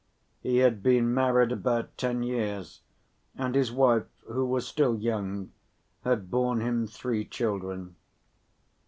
He had been married about ten years and his wife, who was still young, had borne him three children.